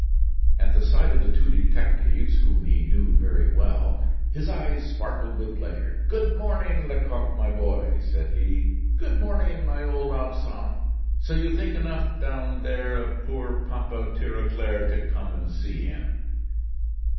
At the sight of the two detectives, whom he knew very well, his eyes sparkled with pleasure. "Good morning, Lecoq, my boy," said he. "Good morning, my old Absinthe. So you think enough down there of poor Papa Tirauclair to come and see him?"